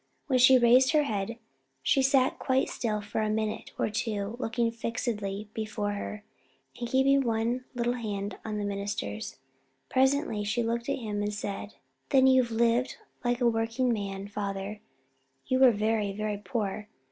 When she raised her head, she sat quite still for a minute or two looking fixedly before her, and keeping one little hand in the minister's. Presently she looked at him and said "Then you lived like a workingman, father; you were very, very poor.